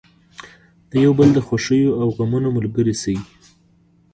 د یو بل د خوښیو او غمونو ملګري شئ.